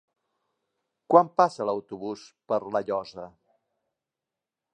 Quan passa l'autobús per La Llosa?